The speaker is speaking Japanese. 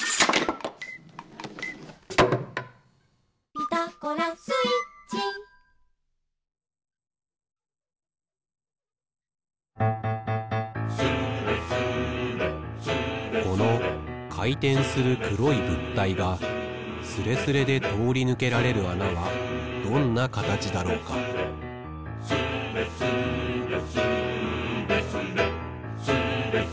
「ピタゴラスイッチ」「スーレスレ」このかいてんするくろいぶったいがスレスレでとおりぬけられるあなはどんなかたちだろうか「スレスレスーレスレ」「スレスレ」